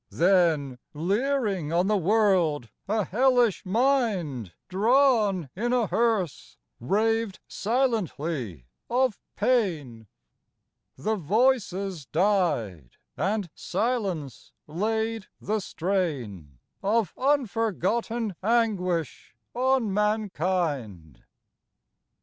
Then, leering on the world, a hellish mind Drawn in a hearse, raved silently of pain ; The voices died and silence laid the strain Of unforgotten anguish on mankind.